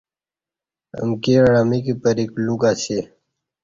امکی عـمیک پریک لوکہ اسی